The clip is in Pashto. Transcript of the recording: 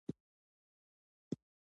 زه د جګړې ضد وم او سیاسي مفکوره مې نه لرله